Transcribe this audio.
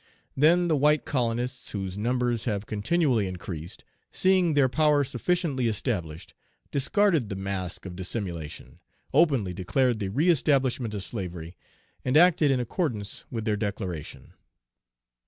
"Then the white colonists, whose numbers have continually increased, seeing their power sufficiently established, discarded the mask of dissimulation, openly declared the reëstablishment of slavery, and acted in accordance with their declaration.